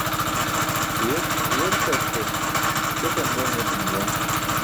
Huyeltarce śopanboyn etum juwan.